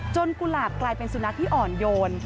กุหลาบกลายเป็นสุนัขที่อ่อนโยน